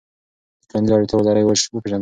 د ټولنیزو اړتیاوو لړۍ وپیژنه.